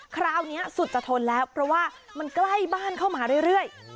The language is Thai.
คราวนี้สุดจะทนแล้วเพราะว่ามันใกล้บ้านเข้ามาเรื่อย